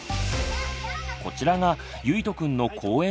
こちらがゆいとくんの公園